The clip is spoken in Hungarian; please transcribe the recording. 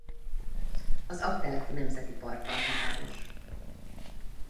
Az Aggteleki Nemzeti Parkkal határos.